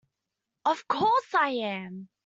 Of course I am!